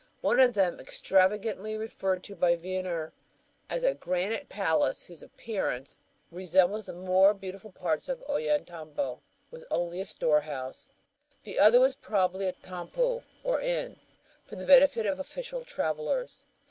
One of them, extravagantly referred to by Wiener as a "granite palace, whose appearance [appareil] resembles the more beautiful parts of Ollantaytambo," was only a storehouse. The other was probably a tampu, or inn, for the benefit of official travelers.